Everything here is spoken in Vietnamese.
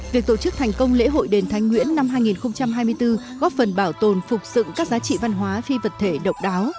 việc tổ chức thành công lễ hội đền thánh nguyễn năm hai nghìn hai mươi bốn góp phần bảo tồn phục dựng các giá trị văn hóa phi vật thể độc đáo